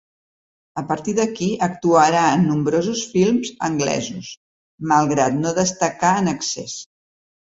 A partir d'aquí actuarà en nombrosos films anglesos, malgrat no destacar en excés.